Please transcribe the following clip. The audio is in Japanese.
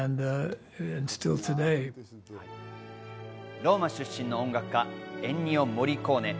ローマ出身の音楽家、エンニオ・モリコーネ。